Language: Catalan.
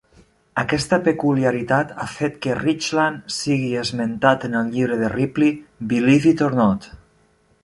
Aquesta peculiaritat ha fet que Richland sigui esmentat en el llibre de Ripley "Believe It or Not!".